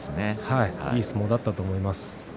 いい相撲だったと思います。